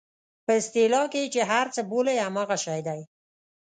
په اصطلاح کې چې یې هر څه بولئ همغه شی دی.